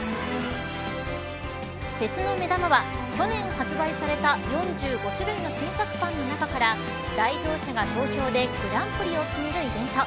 フェスの目玉は去年発売された４５種類の新作パンの中から来場者が投票でグランプリを決めるイベント。